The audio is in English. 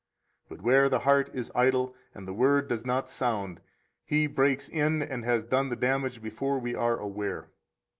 But where the heart is idle, and the Word does not sound, he breaks in and has done the damage before we are aware.